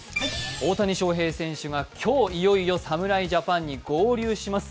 大谷翔平選手が今日、いよいよ侍ジャパンに合流します。